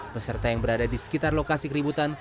peserta yang berada di sekitar lokasi keributan